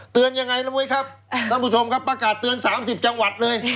ยังไงละมุยครับท่านผู้ชมครับประกาศเตือน๓๐จังหวัดเลย